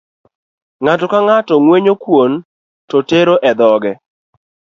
Ng'ato ka ng'ato ngwenyo kuon to tero e dhoge.